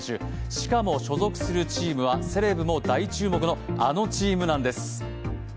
しかも、所属するチームはセレブも大注目のあのチームなんです。